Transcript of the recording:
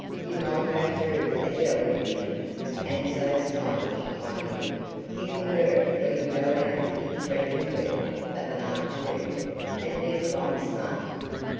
"You might go through a deluge in it. And so stylish, my dear! You can wear it when you go out in threatening weather of an afternoon, and be quite smart."